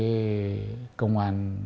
các cái công an